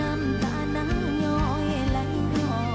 น้ำตาน้ำย้อยไหล่ย้อยย้ำย้ำ